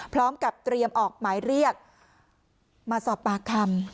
พร้อมกับเตรียมออกหมายเรียกมาสอบปากคำ